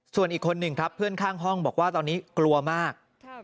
ส่วนอีกคนหนึ่งครับเพื่อนข้างห้องบอกว่าตอนนี้กลัวมาก